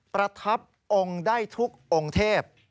ประทับองค์ได้ทุกองค์เทพ